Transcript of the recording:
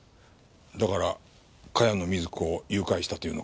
だから茅野瑞子を誘拐したと言うのか？